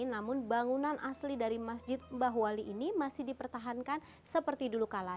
namun bangunan asli dari masjid mbah wali ini masih dipertahankan seperti dulu kala